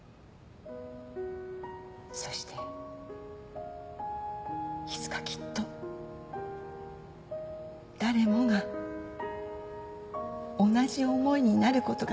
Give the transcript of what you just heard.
そしていつかきっと誰もが同じ思いになることができたら。